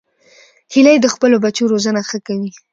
هیلۍ د خپلو بچو روزنه ښه کوي